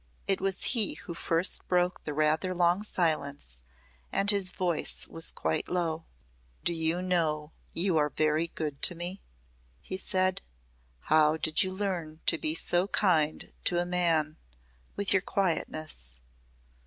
It was he who first broke the rather long silence and his voice was quite low. "Do you know you are very good to me?" he said. "How did you learn to be so kind to a man with your quietness?"